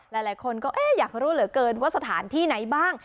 หลายคนก็อยากรู้เหลือเกินว่าสถานที่ไหนบ้าง